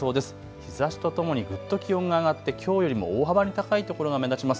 日ざしとともにぐっと気温が上がってきょうよりも大幅に高いところが目立ちます。